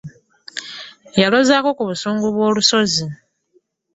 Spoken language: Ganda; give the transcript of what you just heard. Yalozako ku busungu bwo lusozi.